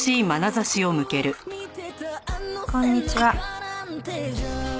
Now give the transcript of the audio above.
こんにちは。